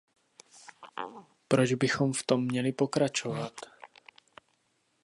Proč bychom v tom měli pokračovat?